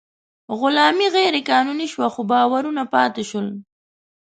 غلامي غیر قانوني شوه، خو باورونه پاتې شول.